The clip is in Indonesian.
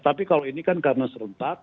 tapi kalau ini kan karena serentak